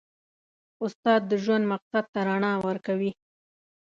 استاد د ژوند مقصد ته رڼا ورکوي.